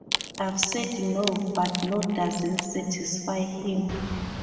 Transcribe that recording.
I've said no, but no doesn't satisfy him.